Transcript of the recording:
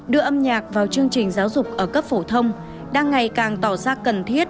đưa âm nhạc vào chương trình giáo dục ở cấp phổ thông đang ngày càng tỏ ra cần thiết